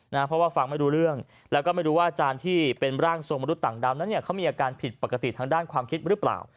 เพราะว่าฟังไม่รู้เรื่องแล้วก็ไม่รู้ว่าอาจารย์ที่เป็นร่างทรงมนุษย์ต่างดาวนั้นเนี่ยเขามีอาการผิดปกติทางด้านความคิดหรือเปล่า